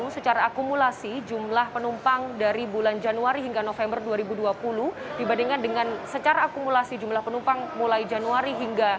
selamat pagi aldi